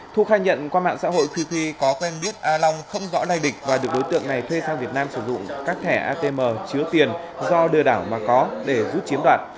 thu khai nhận qua mạng xã hội qq có quen biết a long không rõ đai địch và được đối tượng này thuê sang việt nam sử dụng các thẻ atm chứa tiền do đừa đảo mà có để rút chiếm đoạt